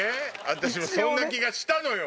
私もそんな気がしたのよ。